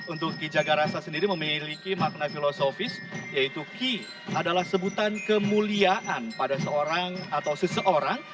untuk ki jagarasa sendiri memiliki makna filosofis yaitu ki adalah sebutan kemuliaan pada seorang atau seseorang